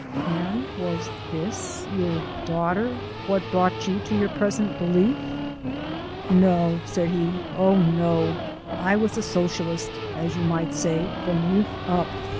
"And was this your daughter what brought you to your present belief?" "No," said he, "oh, no. I was a Socialist, as you might say, from youth up.